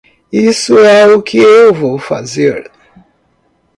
Isso é o que eu vou fazer.